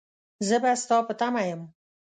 زه به ستا په تمه يم.